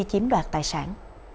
chiếm đoạt tài sản